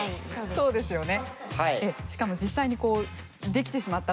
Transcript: そうですよね。